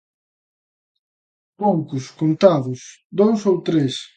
Poucos... contados... dous ou tres.